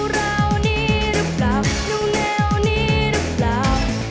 ราวนี้หรือเปล่าดูแนวนี้หรือเปล่า